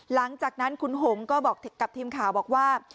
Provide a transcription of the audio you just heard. หลังจากนั้นคุณหงก็บอกกับทีมข่าวบอกว่า